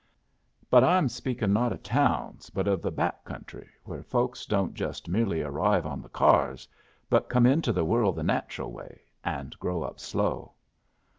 But I am speakin' not of towns, but of the back country, where folks don't just merely arrive on the cyars, but come into the world the natural way, and grow up slow.